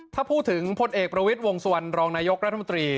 ถ้าพูดถึงพลเอกประวิทย์วงสุวรรณรองนายกรัฐมนตรี